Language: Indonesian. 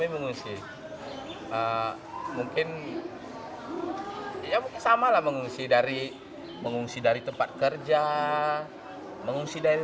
mengungsi mungkin ya samalah mengungsi dari mengungsi dari tempat kerja mengungsi dari